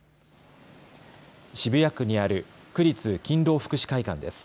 渋谷区にある区立勤労福祉会館です。